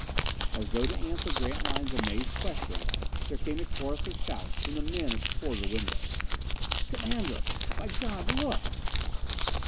As though to answer Grantline's amazed question there came a chorus of shouts from the men at the corridor windows. "Commander! By God look!"